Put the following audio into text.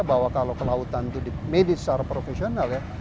bahwa kalau kelautan itu made it secara profesional ya